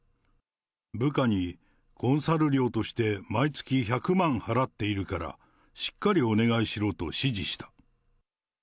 部下にコンサル料として毎月１００万払っているから、しっかりお願いしろと指示した。